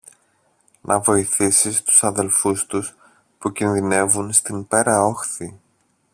να βοηθήσεις τους αδελφούς τους, που κινδυνεύουν στην πέρα όχθη!